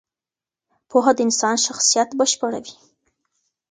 پوهه د انسان شخصیت بشپړوي.